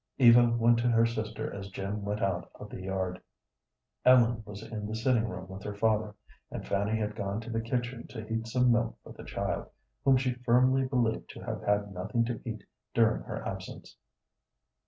Eva went to her sister as Jim went out of the yard. Ellen was in the sitting room with her father, and Fanny had gone to the kitchen to heat some milk for the child, whom she firmly believed to have had nothing to eat during her absence.